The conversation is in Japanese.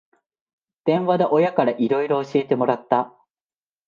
電話で親からいろいろ教えてもらった